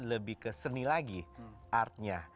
lebih ke seni lagi artnya